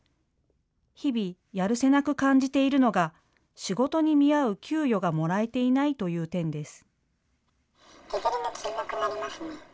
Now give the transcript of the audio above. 日々、やるせなく感じているのが仕事に見合う給与がもらえていないという点です。